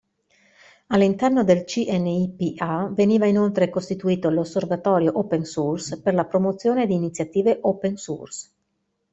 All'interno del CNIPA veniva inoltre costituito l'Osservatorio Open Source per la promozione di iniziative open source.